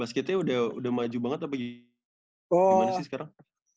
basketnya udah maju banget apa gimana sih sekarang